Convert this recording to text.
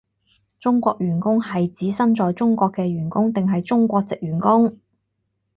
中國員工係指身在中國嘅員工定係中國藉員工？